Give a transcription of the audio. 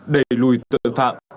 đẩy lùi tội phạm